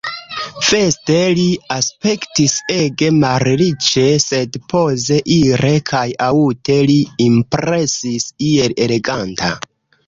Veste li aspektis ege malriĉe, sed poze, ire kaj aŭte li impresis iel eleganta.